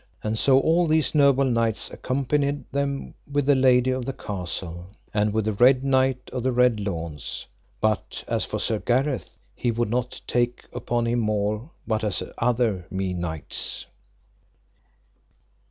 And so all these noble knights accompanied them with the lady of the castle, and with the Red Knight of the Red Launds; but as for Sir Gareth, he would not take upon him more but as other mean knights.